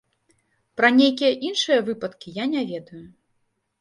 Пра нейкія іншыя выпадкі я не ведаю.